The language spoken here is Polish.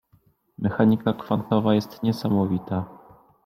Mechanika kwantowa jest niesamowita.